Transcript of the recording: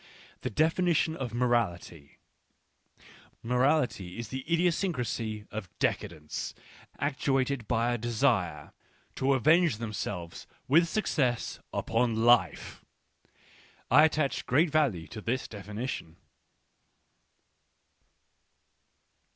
The definition of morality ;': Morality is the idiosyncrasy of decadents, actuated by a desire to avenge themselves with success upon life. I attach great value to this definition.